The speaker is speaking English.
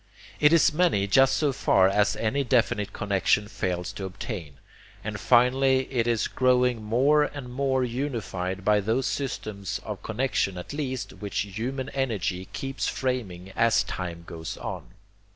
It is many just so far as any definite connexion fails to obtain. And finally it is growing more and more unified by those systems of connexion at least which human energy keeps framing as time goes on.